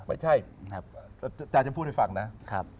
ไม่ใช่อาจารย์จะพูดให้ฟังนะ